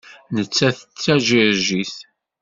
Nettat d Tajiṛjit.